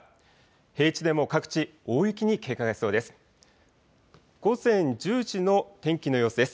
平地でも各地、大雪に警戒が必要です。